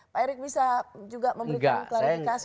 pak erick bisa juga memberikan klarifikasi